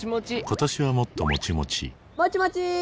今年はもっともちもちもちもちー！